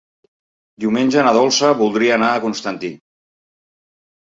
Diumenge na Dolça voldria anar a Constantí.